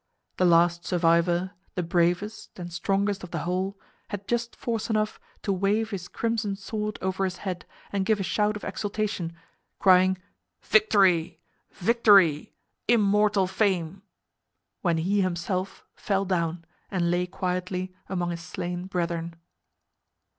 The last survivor, the bravest and strongest of the whole, had just force enough to wave his crimson sword over his head and give a shout of exultation, crying, "Victory! Victory! Immortal fame!" when he himself fell down and lay quietly among his slain brethren.